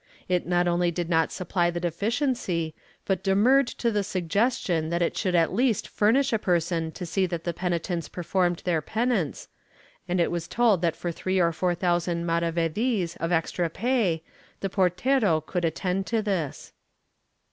It not only did not supply the deficiency but demurred to the suggestion that it should at least furnish a person to see that the penitents performed their penance, and it was told that for three or four thousand maravedis of extra pay the portero could attend to this.